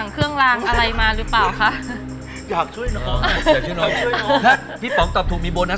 ช่วยเหลือช่วยแก้ทุกคน